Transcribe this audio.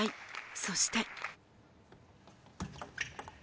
そして。